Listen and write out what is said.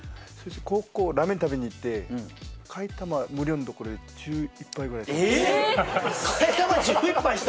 高校、ラーメン食べに行って替え玉無料のところで１１杯ぐらい食べました。